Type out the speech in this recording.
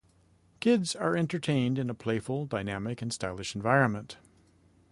Kids are entertained in a playful, dynamic, and stylish environment.